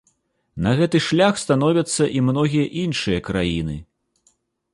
На гэты шлях становяцца і многія іншыя краіны.